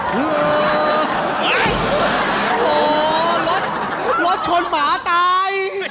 โหรถรถชนหมาตาย